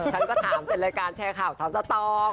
ฉันก็อยากถามเป็นรายการแชร์ข่าว๓สักต่อง